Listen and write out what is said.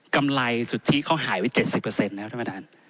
กำไรสุทธิเขาหายไว้๗๐นะครับท่านประธาน